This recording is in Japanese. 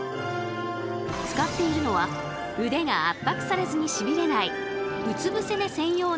使っているのは腕が圧迫されずにしびれないうつぶせ寝専用の枕。